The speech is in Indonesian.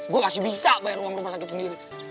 gue masih bisa bayar uang rumah sakit sendiri